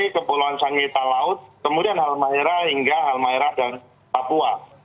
kepolongan sangita laut kemudian halmaera hingga halmaera dan papua